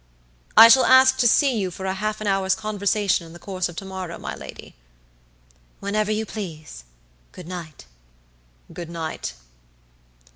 "I shall ask to see you for half an hour's conversation in the course of to morrow, my lady." "Whenever you please. Good night." "Good night."